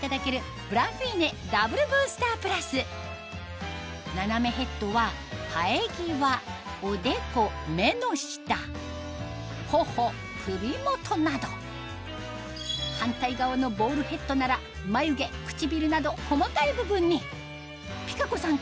ブランフィーネダブルブースタープラス斜めヘッドは生え際おでこ目の下頬首元など反対側のボールヘッドなら眉毛唇など細かい部分にピカ子さん